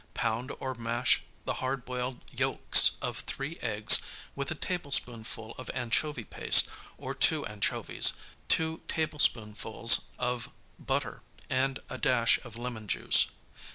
Pound or mash the hard boiled yolks of three eggs with a tablespoonful of anchovy paste or two anchovies, two tablespoonfuls of butter and a dash of lemon juice.